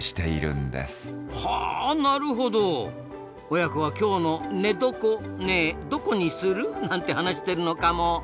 親子は今日の寝床ねどこにする？なんて話してるのかも。